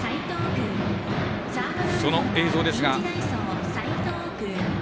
その映像ですが。